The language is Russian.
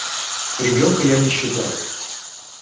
Ребенка я не считаю.